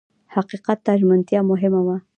حقیقت ته ژمنتیا مهمه وه.